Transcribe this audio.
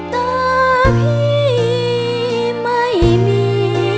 ตาพี่ไม่มี